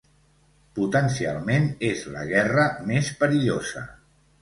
Potencialment, és la guerra més perillosa.